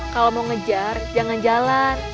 kalau mau ngejar jangan jalan